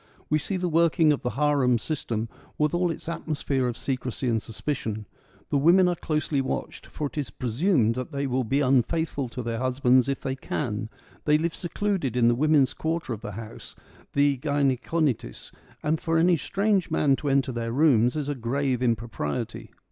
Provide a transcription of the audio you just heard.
We see the working of the harem system, with all its atmosphere of secrecy and suspicion. The women are closely watched ; for it is presumed that they will be un faithful to their husbands if they can : they live secluded in the women's quarter of the house — the gynaeconitis — and for any strange man to enter their rooms is a grave impropriety.